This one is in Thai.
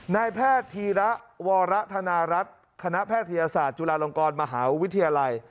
นายแพทย์ธีระวรธนารัฐคณะแพทยศาสตร์จุฬาลงกรมหาวิทยาลัย